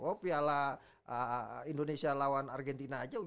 oh piala indonesia lawan argentina aja